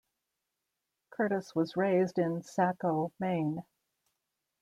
Curtis was raised in Saco, Maine.